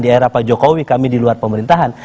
di era pak jokowi kami di luar pemerintahan